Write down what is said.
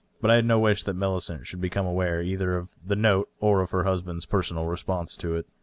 But I had no wish that Millicent should become aware either of the note or of her husband's personal response to' it.